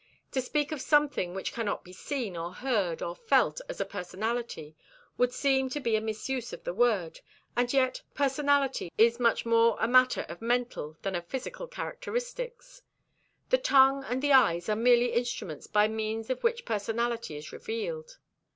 To speak of something which cannot be seen nor heard nor felt as a personality, would seem to be a misuse of the word, and yet personality is much more a matter of mental than of physical characteristics. The tongue and the eyes are merely instruments by means of which personality is revealed.